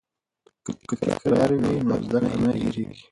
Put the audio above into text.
که تکرار وي نو زده کړه نه هېریږي.